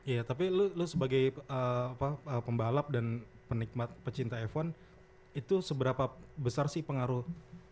iya tapi lu sebagai pembalap dan penikmat pecinta f satu itu seberapa besar sih pengaruh